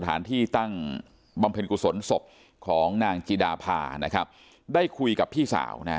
สถานที่ตั้งบำเพ็ญกุศลศพของนางจิดาพานะครับได้คุยกับพี่สาวนะฮะ